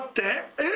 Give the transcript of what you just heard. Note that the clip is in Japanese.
えっ？